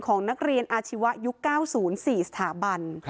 ของนักเรียนอาชีวะยุค๙๐๔สถาบัน